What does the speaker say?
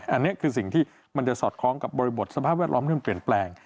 อันนี้คือสิ่งที่มันจะสอดคล้องกับบริบทสภาพแวดล้อมที่มันเปลี่ยนแปลง